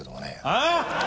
ああ！？